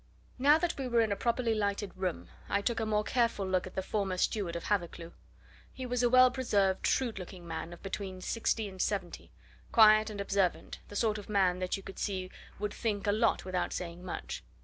Now that we were in a properly lighted room, I took a more careful look at the former steward of Hathercleugh. He was a well preserved, shrewd looking man of between sixty and seventy: quiet and observant, the sort of man that you could see would think a lot without saying much.